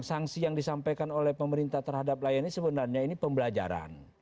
sanksi yang disampaikan oleh pemerintah terhadap layan ini sebenarnya ini pembelajaran